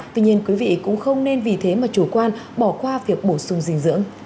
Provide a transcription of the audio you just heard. tuy nhiên quý vị cũng không nên vì thế mà chủ quan bỏ qua việc bổ sung dinh dưỡng